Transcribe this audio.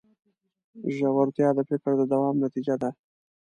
ژورتیا د فکر د دوام نتیجه ده.